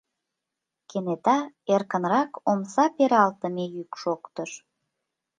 Кенета эркынрак омса пералтыме йӱк шоктыш.